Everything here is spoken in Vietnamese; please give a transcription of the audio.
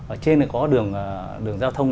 ở trên có đường giao thông